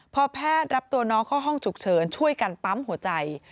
พอแพทย์รับตัวน้องเข้าห้องฉุกเฉินช่วยกันปั๊มหัวใจ